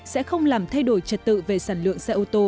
sẽ không làm thay đổi trật tự về sản lượng xe ô tô